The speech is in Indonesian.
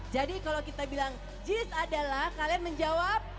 jadi kalau kita bilang jis adalah kalian menjawab